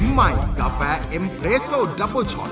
ใหม่กาแฟเอ็มเรสโซนดัปเปอร์ช็อต